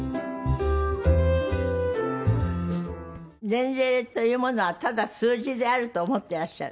年齢というものはただ数字であると思ってらっしゃる？